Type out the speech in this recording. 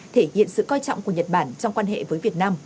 thể hiện sự coi trọng của nhật bản trong quan hệ với việt nam